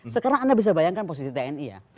sekarang anda bisa bayangkan posisi tni ya